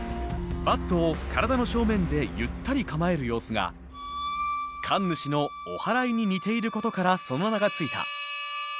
バットを体の正面でゆったり構える様子が神主のおはらいに似ていることからその名が付いた。